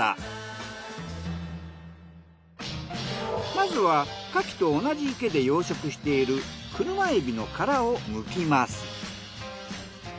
まずは牡蠣と同じ池で養殖している車海老の殻をむきます。